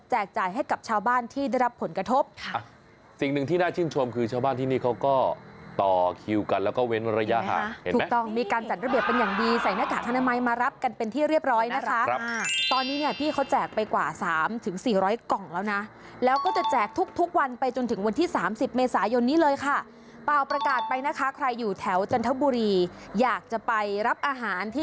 แจกจ่ายให้กับชาวบ้านที่ได้รับผลกระทบค่ะ